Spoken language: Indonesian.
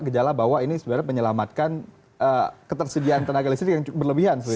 gejala bahwa ini sebenarnya menyelamatkan ketersediaan tenaga listrik yang berlebihan